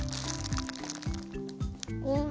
うん。